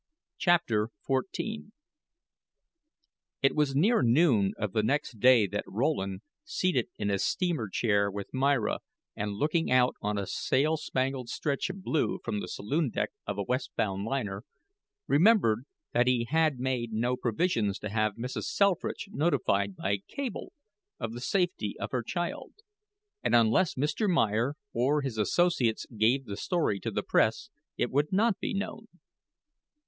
CHAPTER XIV It was near noon of the next day that Rowland, seated in a steamer chair with Myra and looking out on a sail spangled stretch of blue from the saloon deck of a west bound liner, remembered that he had made no provisions to have Mrs. Selfridge notified by cable of the safety of her child; and unless Mr. Meyer or his associates gave the story to the press it would not be known.